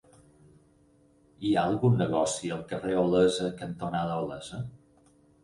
Hi ha algun negoci al carrer Olesa cantonada Olesa?